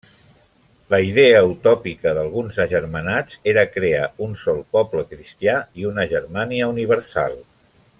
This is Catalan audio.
La idea utòpica d'alguns agermanats era crear un sol poble cristià i una Germania Universal.